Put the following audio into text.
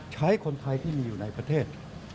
ใช้คนไทยที่มีอยู่ในประเทศ